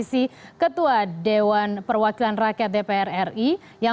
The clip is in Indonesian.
saya rasa cukup ya